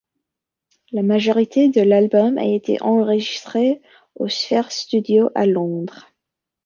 La majorité de l'album a été enregistré à aux Sphere Studios à Londres.